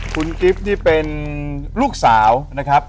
คุณกิฟต์นี่เป็นลูกสาวนะครับ